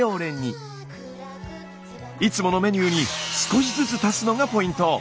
いつものメニューに少しずつ足すのがポイント。